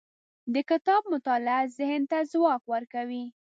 د کتاب مطالعه ذهن ته ځواک ورکوي.